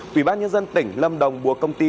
quỹ bác nhân dân tỉnh lâm đồng vừa công ty